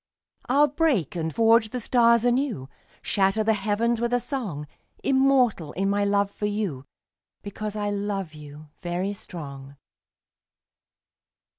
I'll break and forge the stars anew, Shatter the heavens with a song; Immortal in my love for you, Because I love you, very strong.